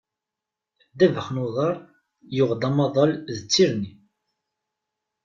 Ddabax n uḍar yuɣ-d amaḍal d tirni.